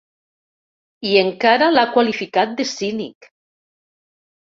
I encara l’ha qualificat de ‘cínic’.